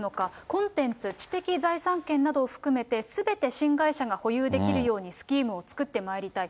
コンテンツ、知的財産権などを含めて、すべて新会社が保有できるように、スキームを作ってまいりたい。